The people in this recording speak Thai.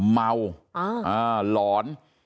เมาอ่าหลอน